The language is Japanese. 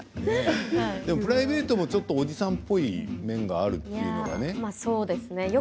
でもプライベートもちょっとおじさんっぽい面があるそうですね。